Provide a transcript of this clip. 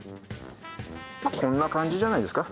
こんな感じじゃないですか。